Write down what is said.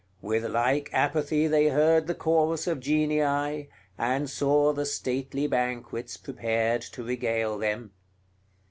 With like apathy they heard the chorus of Genii, and saw the stately banquets prepared to regale them.